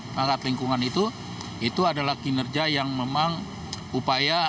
bipasar hal ini revet majuaaaier r males telah memuat disagreement lay